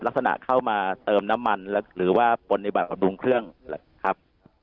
ลักษณะเข้ามาเติมน้ำมันหรือว่าปนิบัติบุงเครื่องนะครับ